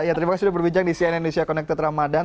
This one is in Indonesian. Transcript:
ya terima kasih sudah berbincang di cnn indonesia connected ramadan